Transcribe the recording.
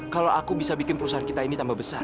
kalau aku bisa bikin perusahaan kita ini tambah besar